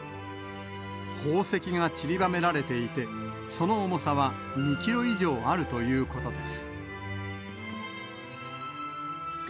宝石がちりばめられていて、その重さは２キロ以上あるということです。